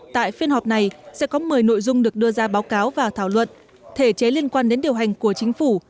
tại phiên họp này sẽ có một mươi nội dung được đưa ra báo cáo và thảo luận thể chế liên quan đến điều hành của chính phủ